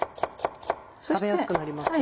食べやすくなりますね。